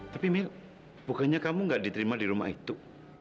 tapi milo bukannya kamu nggak diterima di rumah itu